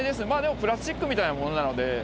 まあでもプラスチックみたいなものなので。